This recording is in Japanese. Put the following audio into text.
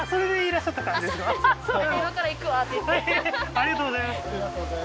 ありがとうございます